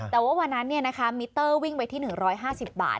แต่ว่าวันนั้นเนี่ยนะคะมิเตอร์วิ่งไปที่๑๕๐บาท